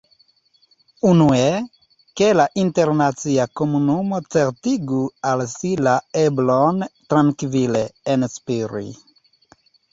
Unue, ke la internacia komunumo certigu al si la eblon trankvile “enspiri.